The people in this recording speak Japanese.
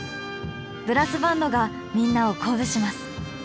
ブラスバンドがみんなを鼓舞します。